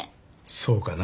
そうかな？